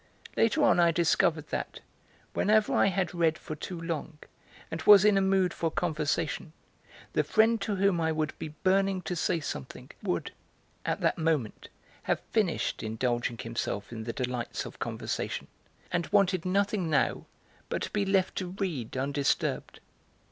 Later on I discovered that, whenever I had read for too long and was in a mood for conversation, the friend to whom I would be burning to say something would at that moment have finished indulging himself in the delights of conversation, and wanted nothing now but to be left to read undisturbed.